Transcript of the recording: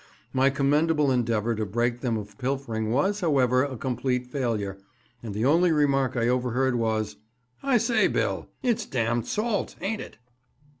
My commendable endeavour to break them of pilfering was, however, a complete failure; and the only remark I overheard was, "I say, Bill, it's damned salt, ain't it?"